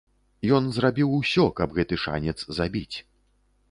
Ён зрабіў усё, каб гэты шанец забіць.